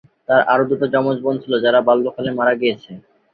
তার আরো দুটো জমজ বোন ছিল যারা বাল্যকালে মারা গিয়েছে।